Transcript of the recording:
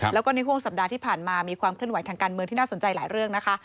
แล้วก็ในห่วงสัปดาห์ที่ผ่านมามีความเคลื่อนไหวทางการเมืองที่น่าสนใจหลายเรื่องนะคะ